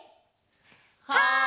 はい！